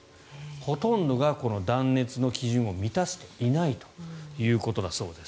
ほとんどが断熱の基準を満たしていないということだそうです。